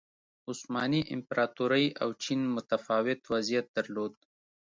عثماني امپراتورۍ او چین متفاوت وضعیت درلود.